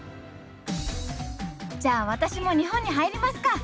じゃあ私も日本に入りますか！